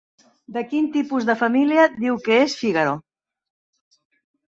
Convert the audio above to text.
De quin tipus de família diu que és Fígaro?